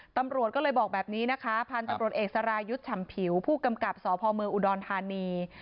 ตำรวจก็เลยบอกแบบนี้นะคะพันธุ์ตำรวจเอกสรายุทธ์ฉ่ำผิวผู้กำกับสพเมืองอุดรธานี